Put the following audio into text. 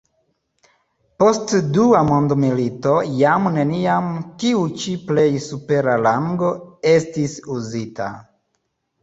Post dua mondmilito jam neniam tiu ĉi plej supera rango estis uzita.